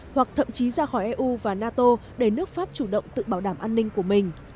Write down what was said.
hoặc thậm chí ra khỏi eu và nato để nước pháp chủ động tự bảo đảm an ninh của mình